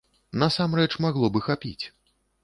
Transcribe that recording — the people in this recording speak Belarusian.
Насамрэч, магло б і хапіць.